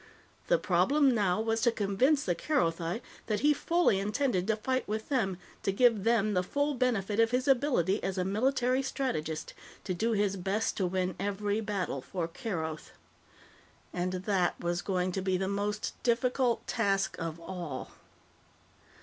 The problem now was to convince the Kerothi that he fully intended to fight with them, to give them the full benefit of his ability as a military strategist, to do his best to win every battle for Keroth. And that was going to be the most difficult task of all.